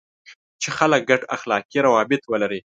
چې خلک ګډ اخلاقي روابط ولري.